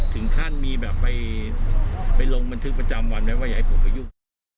ถึงขั้นมีแบบไปลงบันทึกประจำวันไว้ว่าอย่าให้ผมไปยุ่ง